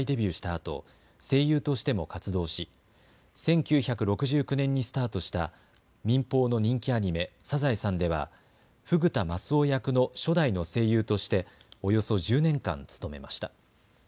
あと声優としても活動し１９６９年にスタートした民放の人気アニメ、サザエさんではフグ田マスオ役の初代の声優としておよそ１０年間務めました。